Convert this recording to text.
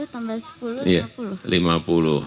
empat puluh tambah sepuluh lima puluh